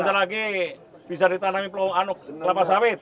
bukan lagi bisa ditanami peluhung anug kelapa sawit